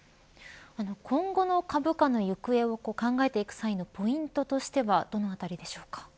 今後の株高の行方を考えていく際のポイントとしてはどのあたりでしょうか。